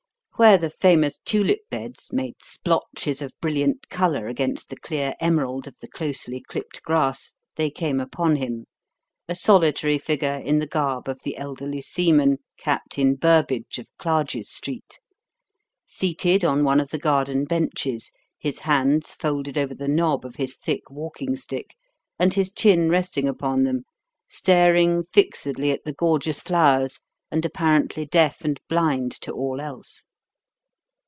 Where the famous tulip beds made splotches of brilliant colour against the clear emerald of the closely clipped grass they came upon him a solitary figure in the garb of the elderly seaman, "Captain Burbage, of Clarges Street" seated on one of the garden benches, his hands folded over the knob of his thick walking stick and his chin resting upon them, staring fixedly at the gorgeous flowers and apparently deaf and blind to all else.